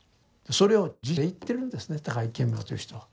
それを地でいってるんですね高木顕明という人は。